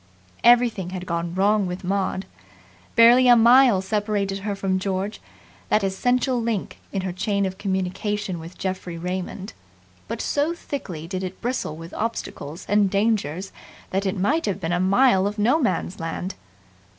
Everything had gone wrong with Maud. Barely a mile separated her from George, that essential link in her chain of communication with Geoffrey Raymond; but so thickly did it bristle with obstacles and dangers that it might have been a mile of No Man's Land.